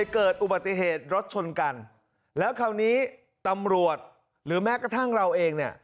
เกิดอุบัติเหตุรถชนกันแล้วคราวนี้ตำรวจหรือแม้กระทั่งเราเองเนี่ย